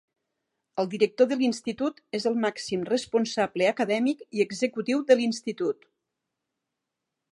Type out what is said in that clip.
El director de l'institut, és el màxim responsable acadèmic i executiu de l'institut.